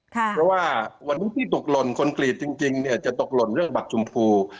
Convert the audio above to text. เพราะว่าเวทีนที่ตกล่นคนกรีดจริงจะตกล่นเรื่องบัตรชมพู